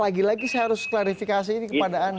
lagi lagi saya harus klarifikasi ini kepada anda